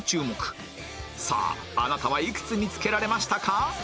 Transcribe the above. さああなたはいくつ見つけられましたか？